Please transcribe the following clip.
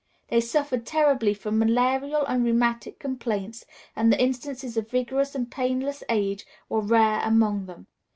They suffered terribly from malarial and rheumatic complaints, and the instances of vigorous and painless age were rare among them.